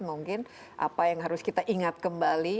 mungkin apa yang harus kita ingat kembali